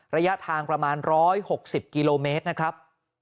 ระยะทางประมาณ๑๖๐กิโลเมตรนะครับ